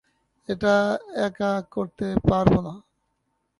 এটা একা করতে পারবো না।